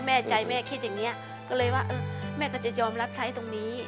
แม่ใจแม่คิดอย่างนี้ก็เลยว่าเออแม่ก็จะยอมรับใช้ตรงนี้